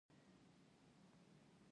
فوسیلیونه د پخوانیو ژویو نښې دي